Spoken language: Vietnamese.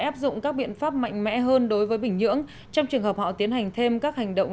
áp dụng các biện pháp mạnh mẽ hơn đối với bình nhưỡng trong trường hợp họ tiến hành thêm các hành động